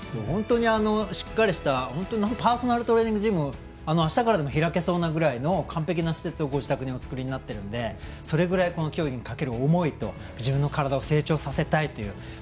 本当にしっかりしたパーソナルトレーニングジムをあしたからでも開けそうなぐらいの完璧な施設をご自宅におつくりになっているのでそれくらい競技にかける思いと自分の力を成長させたいという。